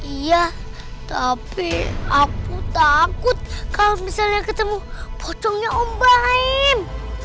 iya tapi aku takut kalau misalnya ketemu pocongnya ombain